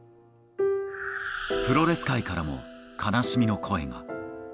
プロレス界からも、悲しみの声が。